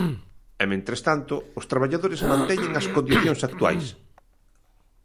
E mentres tanto, os traballadores manteñen as condicións actuais.